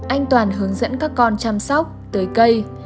anh toàn hướng dẫn các con chăm sóc tưới cây